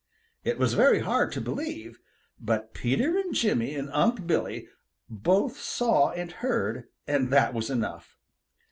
It was very hard to believe, but Peter and Jimmy and Unc' Billy both saw and heard, and that was enough.